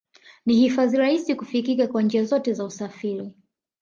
Ni hifadhi rahisi kufikika kwa njia zote za usafiri